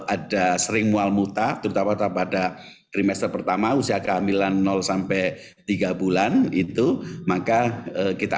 ada sering mual mutak terutama pada trimester pertama usia kehamilan sampai tiga bulan itu maka kita